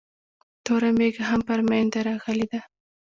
توره مېږه هم پر مينده راغلې ده